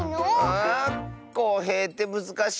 あこうへいってむずかしいッス。